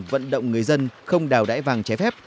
vận động người dân không đào đải vàng trái phép